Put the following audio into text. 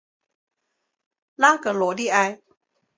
拉格罗利埃。